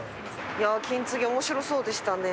金継ぎ面白そうでしたね。